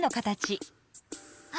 あ！